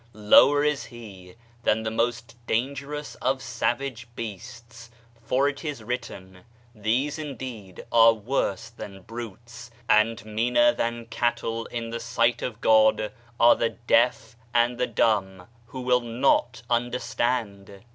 Lower is he than the most dangerous of savage beasts. For it is written : "These indeed are worse than brutes ; and meaner than cattle in the sight of God are the deaf and the dumb who will not understand."